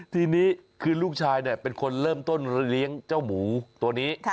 ทีนี้คือลูกชายเป็นคนเริ่มต้นเลี้ยงเจ้าหมูตัวนี้